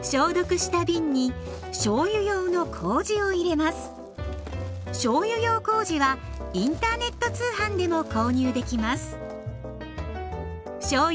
しょうゆ用こうじはインターネット通販でも購入できます。